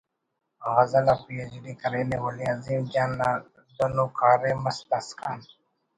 غزل آ P H D کرینے ولے عظیم جان نا دن ءُ کاریم اس داسکان